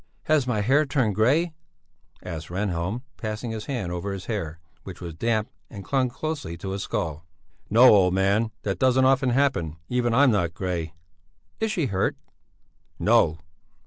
"Has my hair turned grey?" asked Rehnhjelm, passing his hand over his hair which was damp and clung closely to his skull. "No, old man, that doesn't often happen; even I'm not grey." "Is she hurt?" "No!"